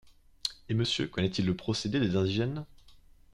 Et monsieur connaît-il le procédé des indigènes ?